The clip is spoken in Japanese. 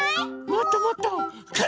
もっともっと。